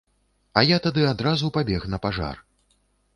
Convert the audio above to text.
А я тады адразу пабег на пажар.